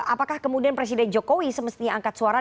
apakah kemudian presiden jokowi semestinya angkat suara